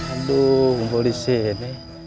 aduh ngumpul di sini